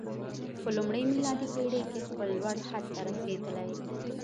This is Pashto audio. په لومړۍ میلادي پېړۍ کې خپل لوړ حد ته رسېدلی.